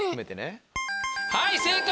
はい正解！